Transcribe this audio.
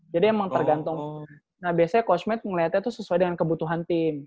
jadi emang tergantung nah biasanya kosmet ngeliatnya tuh sesuai dengan kebutuhan tim